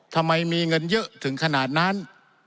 ทำไมมีเงินเยอะถึงขนาดนั้น